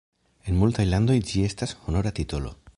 En multaj landoj, ĝi estas honora titolo.